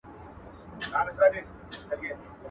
چي تيار دي، هغه د يار دي.